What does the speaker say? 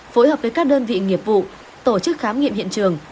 phối hợp với các đơn vị nghiệp vụ tổ chức khám nghiệm hiện trường